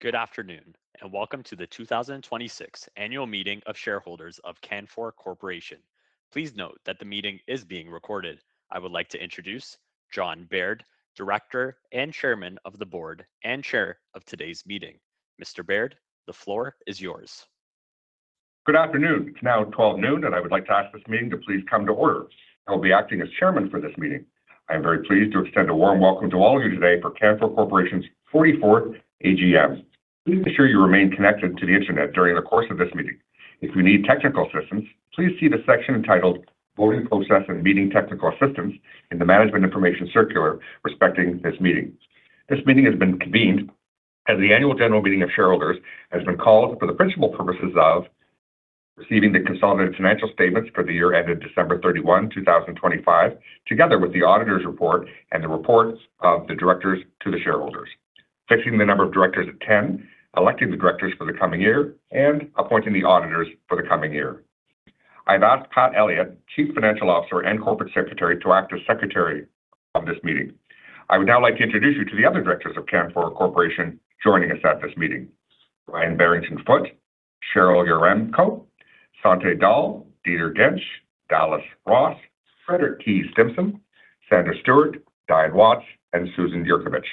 Good afternoon, and welcome to the 2026 annual meeting of shareholders of Canfor Corporation. Please note that the meeting is being recorded. I would like to introduce John Baird, Director and Chairman of the Board and Chair of today's meeting. Mr. Baird, the floor is yours. Good afternoon. It's now 12:00 noon. I would like to ask this meeting to please come to order. I will be acting as chairman for this meeting. I am very pleased to extend a warm welcome to all of you today for Canfor Corporation's 44th AGM. Please ensure you remain connected to the Internet during the course of this meeting. If you need technical assistance, please see the section entitled Voting Process and Meeting Technical Assistance in the management information circular respecting this meeting. This meeting has been convened as the annual general meeting of shareholders, has been called for the principal purposes of receiving the consolidated financial statements for the year ended December 31, 2025, together with the auditor's report and the reports of the directors to the shareholders. Fixing the number of directors at 10, electing the directors for the coming year, and appointing the auditors for the coming year. I've asked Pat Elliott, Chief Financial Officer and Corporate Secretary, to act as Secretary of this meeting. I would now like to introduce you to the other directors of Canfor Corporation joining us at this meeting. Ryan Barrington-Foote, Cheryl Yaremko, Santhe Dahl, Dieter Jentsch, Dallas Ross, Frederick T. Stimson, Sandra Stuart, Dianne Watts, and Susan Yurkovich.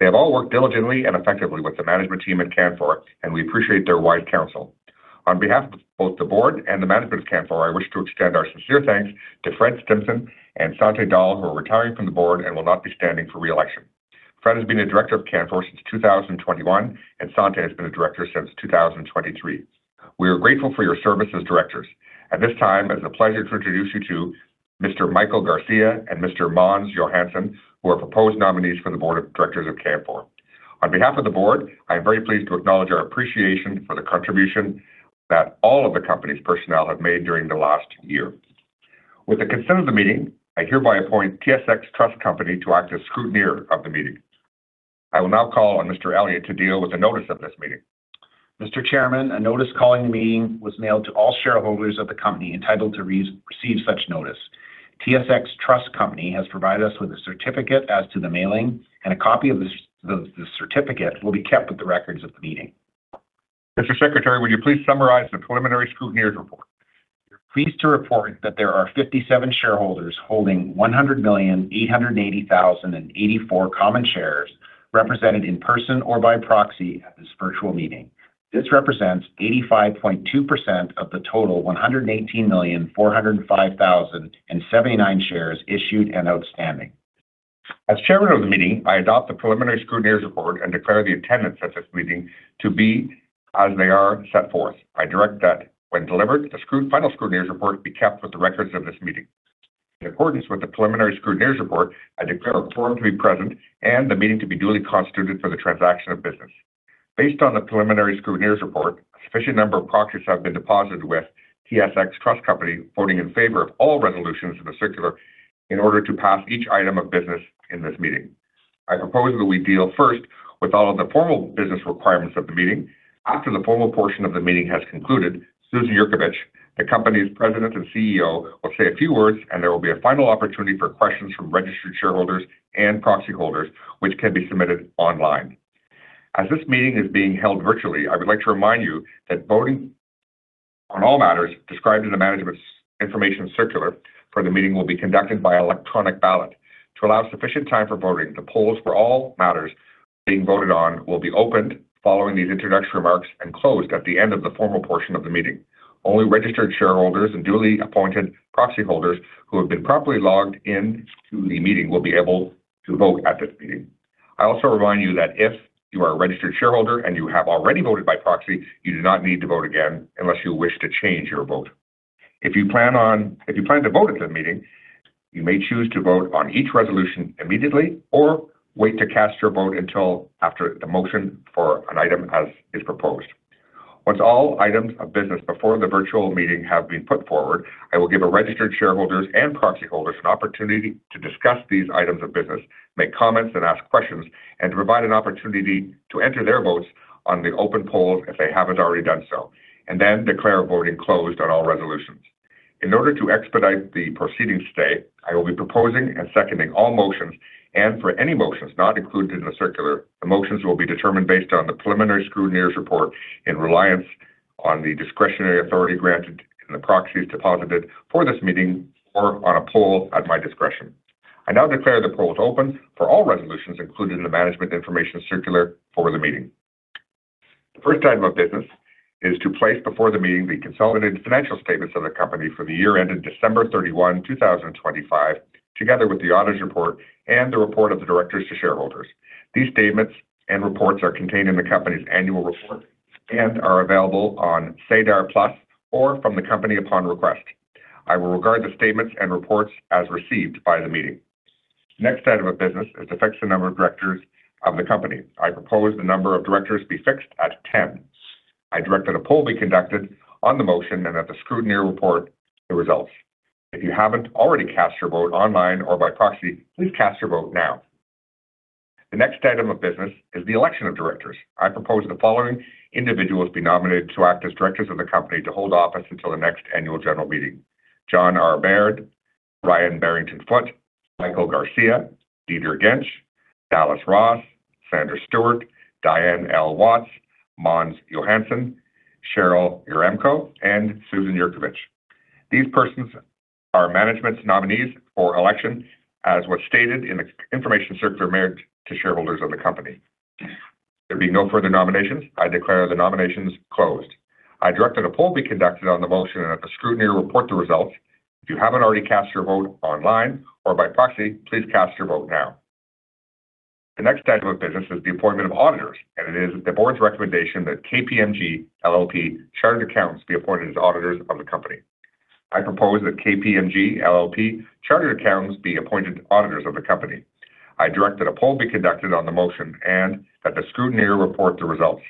They have all worked diligently and effectively with the management team at Canfor, and we appreciate their wise counsel. On behalf of both the board and the management of Canfor, I wish to extend our sincere thanks to Fred Stimson and Santhe Dahl, who are retiring from the board and will not be standing for re-election. Fred has been a director of Canfor since 2021, and Santhe Dahl has been a director since 2023. We are grateful for your service as directors. At this time, it is a pleasure to introduce you to Mr. Michael Garcia and Mr. Måns Johansson, who are proposed nominees for the board of directors of Canfor. On behalf of the board, I am very pleased to acknowledge our appreciation for the contribution that all of the company's personnel have made during the last year. With the consent of the meeting, I hereby appoint TSX Trust Company to act as scrutineer of the meeting. I will now call on Mr. Elliott to deal with the notice of this meeting. Mr. Chairman, a notice calling the meeting was mailed to all shareholders of the company entitled to re-receive such notice. TSX Trust Company has provided us with a certificate as to the mailing, and a copy of the certificate will be kept with the records of the meeting. Mr. Secretary, would you please summarize the preliminary scrutineer's report? Pleased to report that there are 57 shareholders holding 100,880,084 common shares represented in person or by proxy at this virtual meeting. This represents 85.2% of the total 118,405,079 shares issued and outstanding. As chairman of the meeting, I adopt the preliminary scrutineer's report and declare the attendance at this meeting to be as they are set forth. I direct that when delivered, the final scrutineer's report be kept with the records of this meeting. In accordance with the preliminary scrutineer's report, I declare a quorum to be present and the meeting to be duly constituted for the transaction of business. Based on the preliminary scrutineer's report, a sufficient number of proxies have been deposited with TSX Trust Company voting in favor of all resolutions in the circular in order to pass each item of business in this meeting. I propose that we deal first with all of the formal business requirements of the meeting. After the formal portion of the meeting has concluded, Susan Yurkovich, the company's President and CEO, will say a few words, and there will be a final opportunity for questions from registered shareholders and proxy holders, which can be submitted online. As this meeting is being held virtually, I would like to remind you that voting on all matters described in the management's information circular for the meeting will be conducted by electronic ballot. To allow sufficient time for voting, the polls for all matters being voted on will be opened following these introductory remarks and closed at the end of the formal portion of the meeting. Only registered shareholders and duly appointed proxy holders who have been properly logged into the meeting will be able to vote at this meeting. I also remind you that if you are a registered shareholder and you have already voted by proxy, you do not need to vote again unless you wish to change your vote. If you plan to vote at the meeting, you may choose to vote on each resolution immediately or wait to cast your vote until after the motion for an item as is proposed. Once all items of business before the virtual meeting have been put forward, I will give our registered shareholders and proxy holders an opportunity to discuss these items of business, make comments and ask questions, and provide an opportunity to enter their votes on the open polls if they haven't already done so, and then declare voting closed on all resolutions. In order to expedite the proceedings today, I will be proposing and seconding all motions. For any motions not included in the circular, the motions will be determined based on the preliminary scrutineer's report in reliance on the discretionary authority granted in the proxies deposited for this meeting or on a poll at my discretion. I now declare the polls open for all resolutions included in the management information circular for the meeting. The first item of business is to place before the meeting the consolidated financial statements of the company for the year ended December 31, 2025, together with the auditor's report and the report of the directors to shareholders. These statements and reports are contained in the company's annual report and are available on SEDAR+ or from the company upon request. I will regard the statements and reports as received by the meeting. The next item of business is to fix the number of directors of the company. I propose the number of directors be fixed at 10. I direct that a poll be conducted on the motion and that the scrutineer report the results. If you haven't already cast your vote online or by proxy, please cast your vote now. The next item of business is the election of directors. I propose the following individuals be nominated to act as directors of the company to hold office until the next annual general meeting. John Baird, Ryan Barrington-Foote, Michael Garcia, Dieter Jentsch, Dallas Ross, Sandra Stuart, Dianne L. Watts, Måns Johansson, Cheryl Yaremko, and Susan Yurkovich. These persons are management's nominees for election as was stated in the information circular mailed to shareholders of the company. There being no further nominations, I declare the nominations closed. I direct that a poll be conducted on the motion and that the scrutineer report the results. If you haven't already cast your vote online or by proxy, please cast your vote now. The next stage of business is the appointment of auditors, and it is the board's recommendation that KPMG LLP Chartered Accountants be appointed as auditors of the company. I propose that KPMG LLP Chartered Accountants be appointed auditors of the company. I direct that a poll be conducted on the motion and that the scrutineer report the results.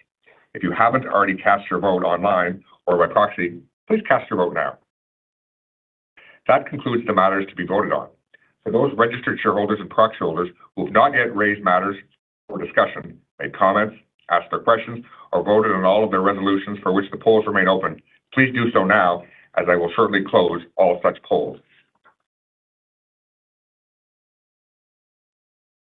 If you haven't already cast your vote online or by proxy, please cast your vote now. That concludes the matters to be voted on. For those registered shareholders and proxy holders who have not yet raised matters for discussion, made comments, asked their questions, or voted on all of their resolutions for which the polls remain open, please do so now, as I will shortly close all such polls.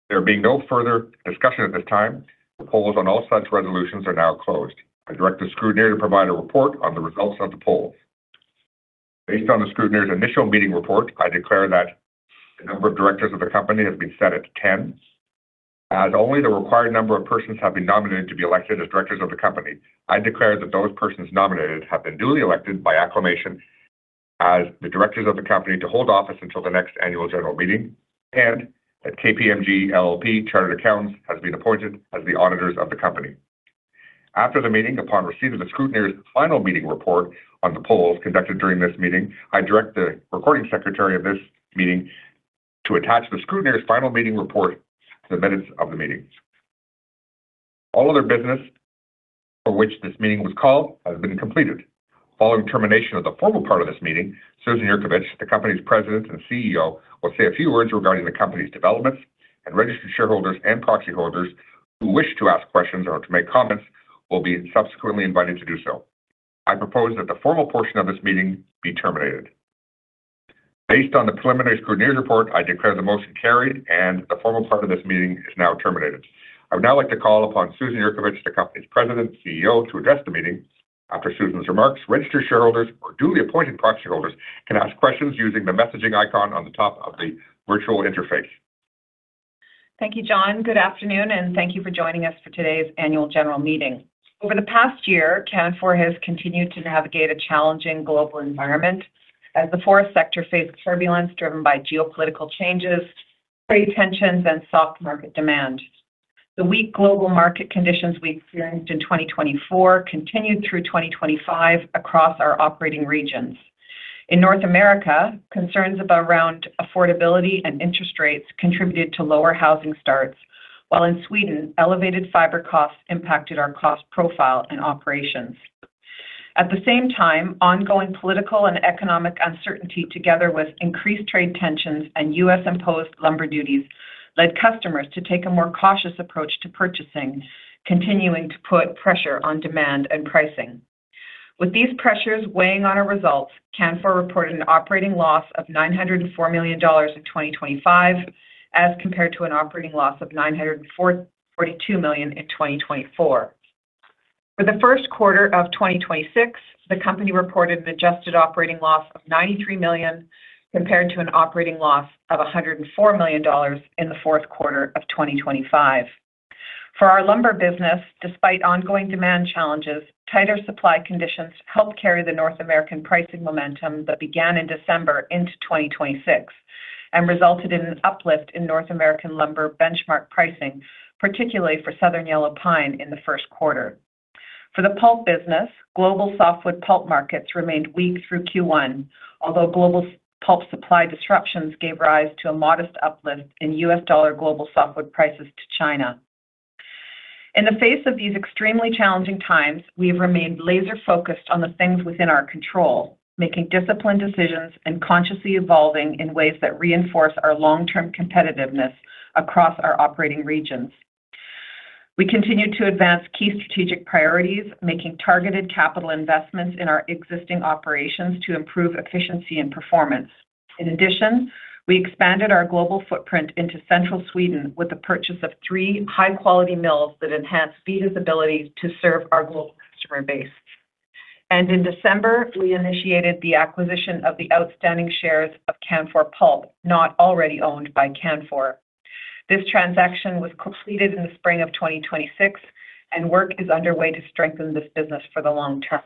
There being no further discussion at this time, the polls on all such resolutions are now closed. I direct the scrutineer to provide a report on the results of the polls. Based on the scrutineer's initial meeting report, I declare that the number of directors of the company has been set at 10. As only the required number of persons have been nominated to be elected as directors of the company, I declare that those persons nominated have been duly elected by acclamation as the directors of the company to hold office until the next annual general meeting, and that KPMG LLP Chartered Accountants has been appointed as the auditors of the company. After the meeting, upon receipt of the scrutineer's final meeting report on the polls conducted during this meeting, I direct the recording secretary of this meeting to attach the scrutineer's final meeting report to the minutes of the meeting. All other business for which this meeting was called has been completed. Following termination of the formal part of this meeting, Susan Yurkovich, the company's President and CEO, will say a few words regarding the company's developments, and registered shareholders and proxy holders who wish to ask questions or to make comments will be subsequently invited to do so. I propose that the formal portion of this meeting be terminated. Based on the preliminary scrutineer's report, I declare the motion carried, and the formal part of this meeting is now terminated. I would now like to call upon Susan Yurkovich, the company's President and CEO, to address the meeting. After Susan's remarks, registered shareholders or duly appointed proxy holders can ask questions using the messaging icon on the top of the virtual interface. Thank you, John. Good afternoon, and thank you for joining us for today's annual general meeting. Over the past year, Canfor has continued to navigate a challenging global environment as the forest sector faced turbulence driven by geopolitical changes, trade tensions, and soft market demand. The weak global market conditions we experienced in 2024 continued through 2025 across our operating regions. In North America, concerns about around affordability and interest rates contributed to lower housing starts, while in Sweden, elevated fiber costs impacted our cost profile and operations. At the same time, ongoing political and economic uncertainty together with increased trade tensions and U.S.-imposed lumber duties led customers to take a more cautious approach to purchasing, continuing to put pressure on demand and pricing. With these pressures weighing on our results, Canfor reported an operating loss of 904 million dollars in 2025 as compared to an operating loss of 942 million in 2024. For the first quarter of 2026, the company reported an adjusted operating loss of 93 million compared to an operating loss of 104 million dollars in the fourth quarter of 2025. For our lumber business, despite ongoing demand challenges, tighter supply conditions helped carry the North American pricing momentum that began in December into 2026 and resulted in an uplift in North American lumber benchmark pricing, particularly for southern yellow pine in the first quarter. For the pulp business, global softwood pulp markets remained weak through Q1, although global pulp supply disruptions gave rise to a modest uplift in US dollar global softwood prices to China. In the face of these extremely challenging times, we've remained laser-focused on the things within our control, making disciplined decisions and consciously evolving in ways that reinforce our long-term competitiveness across our operating regions. We continued to advance key strategic priorities, making targeted capital investments in our existing operations to improve efficiency and performance. In addition, we expanded our global footprint into central Sweden with the purchase of three high-quality mills that enhance flexibility to serve our global customer base. In December, we initiated the acquisition of the outstanding shares of Canfor Pulp, not already owned by Canfor. This transaction was completed in the spring of 2026. Work is underway to strengthen this business for the long term.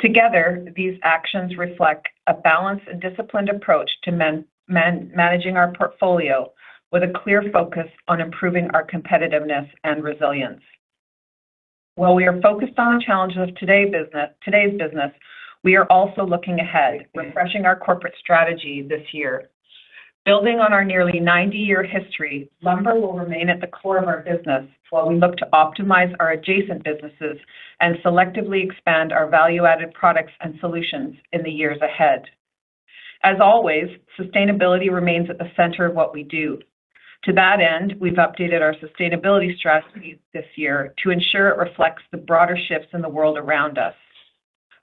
Together, these actions reflect a balanced and disciplined approach to managing our portfolio with a clear focus on improving our competitiveness and resilience. While we are focused on the challenges of today's business, we are also looking ahead, refreshing our corporate strategy this year. Building on our nearly 90-year history, lumber will remain at the core of our business while we look to optimize our adjacent businesses and selectively expand our value-added products and solutions in the years ahead. As always, sustainability remains at the center of what we do. To that end, we've updated our sustainability strategies this year to ensure it reflects the broader shifts in the world around us.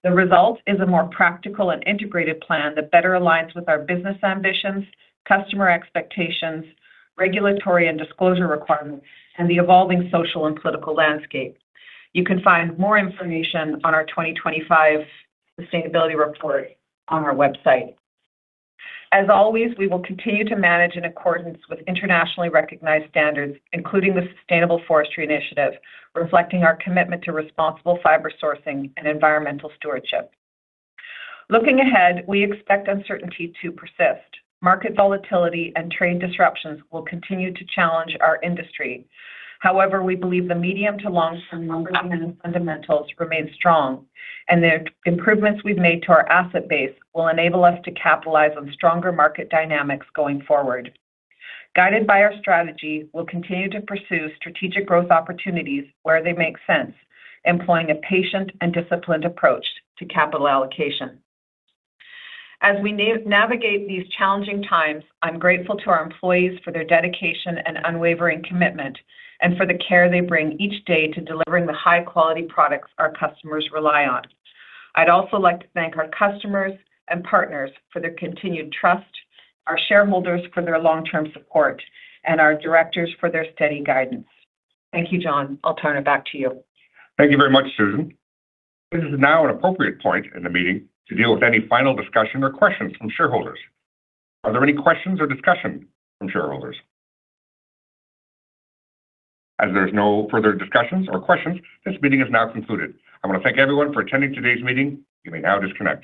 The result is a more practical and integrated plan that better aligns with our business ambitions, customer expectations, regulatory and disclosure requirements, and the evolving social and political landscape. You can find more information on our 2025 sustainability report on our website. As always, we will continue to manage in accordance with internationally recognized standards, including the Sustainable Forestry Initiative, reflecting our commitment to responsible fiber sourcing and environmental stewardship. Looking ahead, we expect uncertainty to persist. Market volatility and trade disruptions will continue to challenge our industry. We believe the medium to long-term lumber fundamentals remain strong, and the improvements we've made to our asset base will enable us to capitalize on stronger market dynamics going forward. Guided by our strategy, we'll continue to pursue strategic growth opportunities where they make sense, employing a patient and disciplined approach to capital allocation. As we navigate these challenging times, I'm grateful to our employees for their dedication and unwavering commitment and for the care they bring each day to delivering the high-quality products our customers rely on. I'd also like to thank our customers and partners for their continued trust, our shareholders for their long-term support, and our directors for their steady guidance. Thank you, John. I'll turn it back to you. Thank you very much, Susan. This is now an appropriate point in the meeting to deal with any final discussion or questions from shareholders. Are there any questions or discussion from shareholders? As there's no further discussions or questions, this meeting is now concluded. I want to thank everyone for attending today's meeting. You may now disconnect.